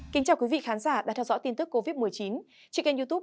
kính chào quý vị khán giả đang theo dõi tin tức covid một mươi chín trên kênh youtube